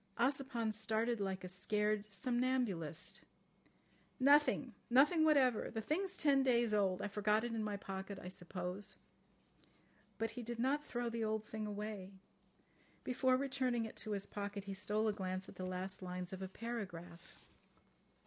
Ossipon started like a scared somnambulist. "Nothing. Nothing whatever. The thing's ten days old. I forgot it in my pocket, I suppose." But he did not throw the old thing away. Before returning it to his pocket he stole a glance at the last lines of a paragraph.